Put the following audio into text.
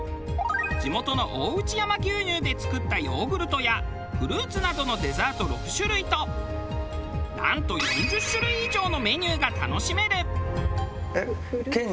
地元の大内山牛乳で作ったヨーグルトやフルーツなどのデザート６種類となんと４０種類以上のメニューが楽しめる。